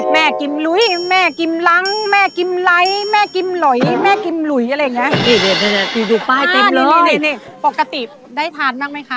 แม่กิมลุ้ยแม่กิมรั้งแม่กิมไร้แม่กิมหลอยแม่กิมหลุยอะไรอย่างเงี้ย